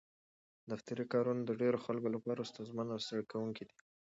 دفتري کارونه د ډېرو خلکو لپاره ستونزمن او ستړي کوونکي دي.